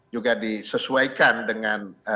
juga disesuaikan dengan